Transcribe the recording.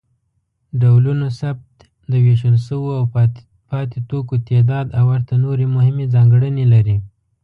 ډولونوثبت، د ویشل شویو او پاتې توکو تعداد او ورته نورې مهمې ځانګړنې لري.